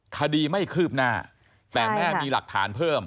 คดีไม่คืบหน้าแต่แม่มีหลักฐานเพิ่ม